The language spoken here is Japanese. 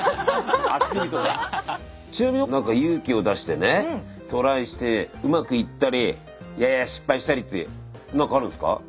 ちなみに何か勇気を出してねトライしてうまくいったりいやいや失敗したりって何かあるんすか？